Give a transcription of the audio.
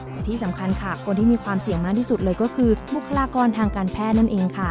และที่สำคัญค่ะคนที่มีความเสี่ยงมากที่สุดเลยก็คือบุคลากรทางการแพทย์นั่นเองค่ะ